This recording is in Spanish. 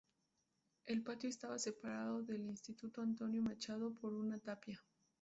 El patio estaba separado del Instituto Antonio Machado por una tapia.